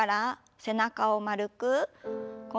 背中を丸く。